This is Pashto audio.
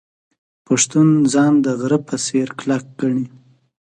پښتون ځان د غره په څیر کلک ګڼي.